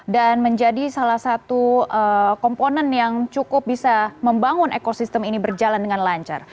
dan menjadi salah satu komponen yang cukup bisa membangun ekosistem ini berjalan dengan lancar